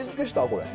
これ。